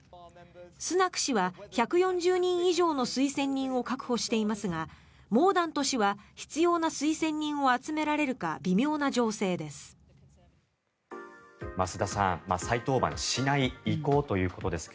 スナク氏は１４０人以上の推薦人を確保していますがモーダント氏は必要な推薦人を集められるか微妙な情勢です。